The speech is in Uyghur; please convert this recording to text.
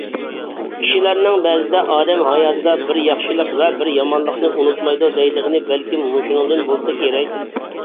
كىشىلەرنىڭ بەزىدە «ئادەم ھاياتىدا بىر ياخشىلىق ۋە بىر يامانلىقنى ئۇنتۇمايدۇ» دەيدىغىنى بەلكىم مۇشۇنىڭدىن بولسا كېرەك.